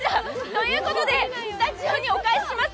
ということで、スタジオにお返しします。